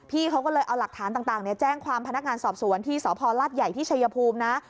เขาก็เลยเอาหลักฐานต่างแจ้งความพนักงานสอบสวนที่สพลาดใหญ่ที่ชัยภูมินะ